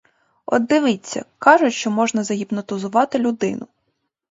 От, дивиться, кажуть, що можна загіпнотизувати людину.